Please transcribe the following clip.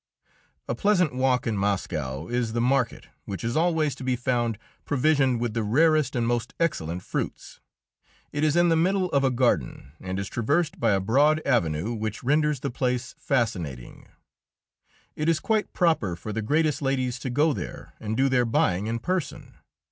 A pleasant walk in Moscow is the market, which is always to be found provisioned with the rarest and most excellent fruits. It is in the middle of a garden, and is traversed by a broad avenue which renders the place fascinating. It is quite proper for the greatest ladies to go there and do their buying in person.